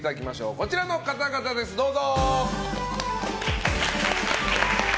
こちらの方々です、どうぞ！